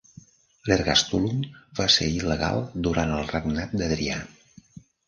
L'ergastulum va ser il·legal durant el regnat d'Adrià.